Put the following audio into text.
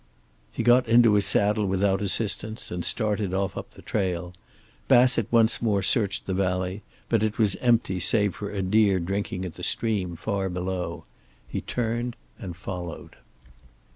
He got into his saddle without assistance and started off up the trail. Bassett once more searched the valley, but it was empty save for a deer drinking at the stream far below. He turned and followed.